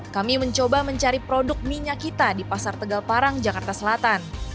kami mencoba mencari produk minyak kita di pasar tegal parang jakarta selatan